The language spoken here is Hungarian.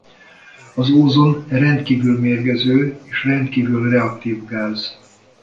Az ózon rendkívül mérgező és rendkívül reaktív gáz.